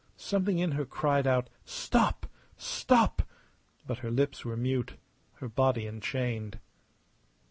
Something in her cried out: "Stop! Stop!" But her lips were mute, her body enchained.